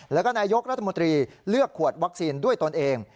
แล้วก็นายกรัฐมนตรีเลือกขวดวัคซีนด้วยตนเอง